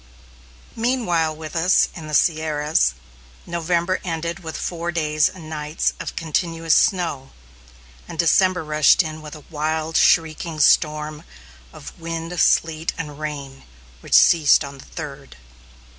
Meanwhile with us in the Sierras, November ended with four days and nights of continuous snow, and December rushed in with a wild, shrieking storm of wind, sleet, and rain, which ceased on the third.